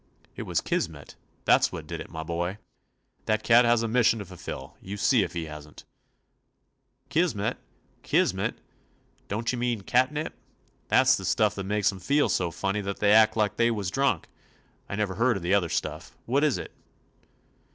"It was 'Kismet,' that 's what did it, my boy. That cat has a mission to fulfil, you see if he has n't." " 'Kismet"? 'Kismet"? Don't you mean catnep? That 's the stuff that makes 'em feel so funny that they act like they was drunk. I never heard of the other stuff. What is it?"